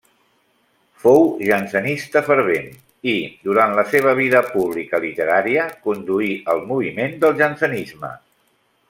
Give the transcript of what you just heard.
Fou jansenista fervent, i durant la seva vida pública literària conduí el moviment del jansenisme.